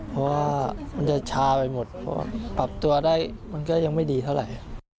เพราะว่ามันจะชาไปหมดเพราะปรับตัวได้มันก็ยังไม่ดีเท่าไหร่